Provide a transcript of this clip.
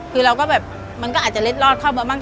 คือเราก็แบบมันก็อาจจะเล็ดรอดเข้ามาบ้าง